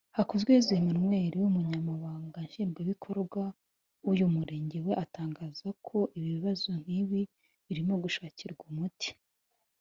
Hakuzweyezu Emmanuel umunyamabanga nshingwabikorwa w’uyu murenge we atangaza ko ibibazo nk’ibi birimo gushakirwa umuti